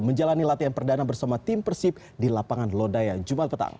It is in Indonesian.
menjalani latihan perdana bersama tim persib di lapangan lodaya jumat petang